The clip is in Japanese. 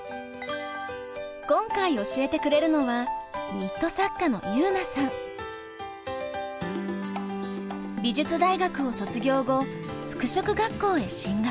今回教えてくれるのは美術大学を卒業後服飾学校へ進学。